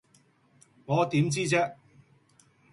我點知啫